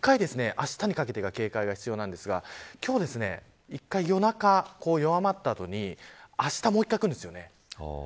実際に１回、あしたにかけて警戒が必要なんですが今日１回、夜中に弱まった後にあしたもう１回くるんですよね。